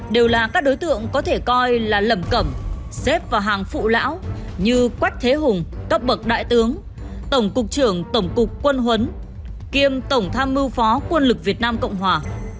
đều là các đối tượng có thể coi là lầm cẩm xếp vào hàng phụ lão như quách thế hùng cấp bậc đại tướng tổng cục trưởng tổng cục quân huấn kiêm tổng tham mưu phó quân lực việt nam cộng hòa